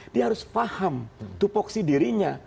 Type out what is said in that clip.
dia harus paham tupoksi dirinya